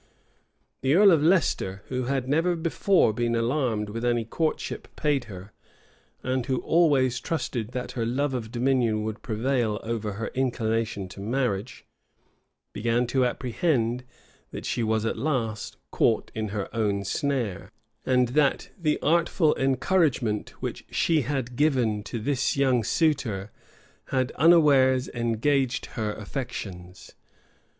The earl of Leicester, who had never before been alarmed with any courtship paid her, and who always trusted that her love of dominion would prevail over her inclination to marriage, began to apprehend that she was at last caught in her own snare, and that the artful encouragement which she had given to this young suitor had unawares engaged her affections.